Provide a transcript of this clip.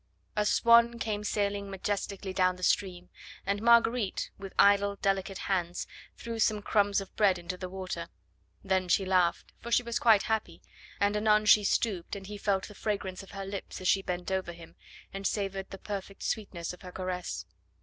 A swan came sailing majestically down the stream, and Marguerite, with idle, delicate hands, threw some crumbs of bread into the water. Then she laughed, for she was quite happy, and anon she stooped, and he felt the fragrance of her lips as she bent over him and savoured the perfect sweetness of her caress.